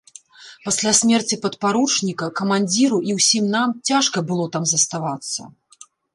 Пасля смерці падпаручніка камандзіру і ўсім нам цяжка было там заставацца!